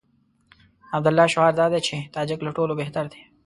د عبدالله شعار دا دی چې تاجک له ټولو بهتر دي.